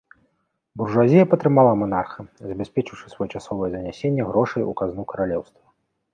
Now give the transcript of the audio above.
Буржуазія падтрымала манарха, забяспечыўшы своечасовае занясенне грошай у казну каралеўства.